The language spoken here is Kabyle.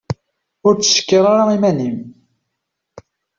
Ur ttcekkir ara iman-im.